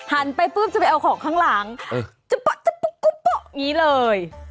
หันไปปุ้บจะไปเอาของข้างหลังจับปะจับปุ๊บกุ๊บปุ๊บอย่างนี้เลย